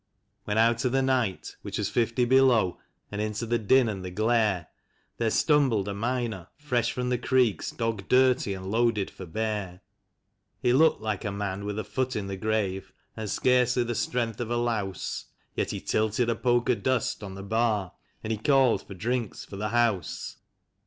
When out of the night, which was fifty below, and into the din and the glare, There stumbled a miner fresh from the creeks, dog dirt}', and loaded for bear. He looked like a man with a foot in the grave, and scarcely the strength of a louse. Yet he tilted a poke of dust on the bar, and he called for drinks for the house.